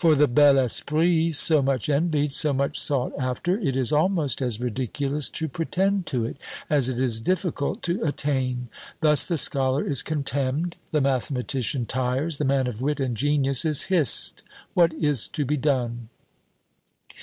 "For the bel esprit, so much envied, so much sought after, it is almost as ridiculous to pretend to it, as it is difficult to attain. Thus the scholar is contemned, the mathematician tires, the man of wit and genius is hissed. What is to be done?"